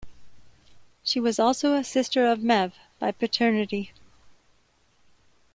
She was also a sister of Medb by paternity.